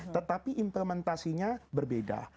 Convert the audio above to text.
tetapi implementasinya berbeda